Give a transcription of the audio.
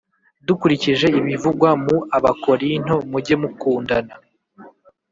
Dukurikije ibivugwa mu Abakorinto mujye mukundana